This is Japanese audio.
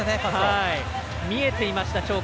見えていました、鳥海。